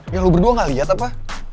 ya lo berdua gak liat apa